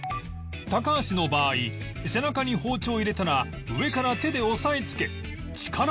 高橋の場合背中に包丁を入れたら上から手で押さえつけ